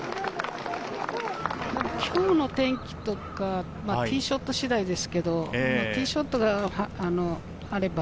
今日の天気とか、ティーショット次第ですけれど、ティーショットがあれば。